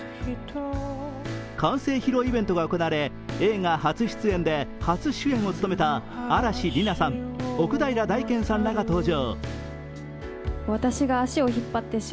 完成披露イベントが行われ、映画初出演で初主演を務めた嵐莉菜さん、奥平大兼さんらが登場。